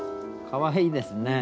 かわいいですね。